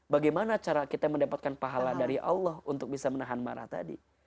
bagaimana cara kita mendapatkan pahala dari allah untuk bisa menahan marah tadi